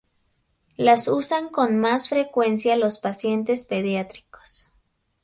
Las usan con más frecuencia los pacientes pediátricos.